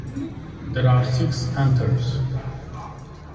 There are six anthers.